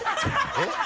えっ？